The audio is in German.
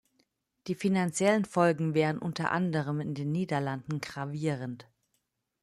Die finanziellen Folgen wären unter anderem in den Niederlanden gravierend.